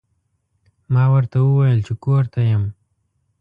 ما ورته وویل چې کور ته یم.